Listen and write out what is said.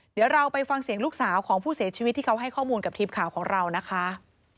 เดี๋ยวเราไปฟังเสียงลูกสาวของผู้เสียชีวิตที่เขาให้ข้อมูลกับทีมข่าวของเรานะคะ